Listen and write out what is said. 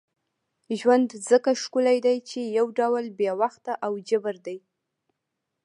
ژوند ځکه ښکلی دی چې یو ډول بې وخته او جبر دی.